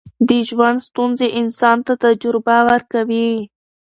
د ژوند ستونزې انسان ته تجربه ورکوي.